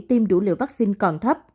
tiêm đủ liều vaccine còn